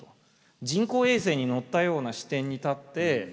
人工衛星に乗ったような視点に立って書くと。